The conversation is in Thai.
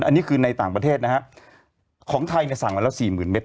อันนี้คือในต่างประเทศของไทยสั่งแล้ว๔๐๐๐๐เมตร